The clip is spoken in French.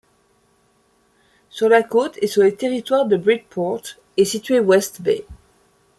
Sur la côte, et sur le territoire de Bridport, est situé West Bay.